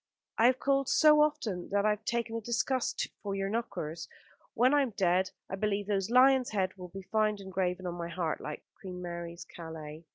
I have called so often that I have taken a disgust for your knockers. When I am dead I believe those lions' heads will be found engraven on my heart, like Queen Mary's Calais."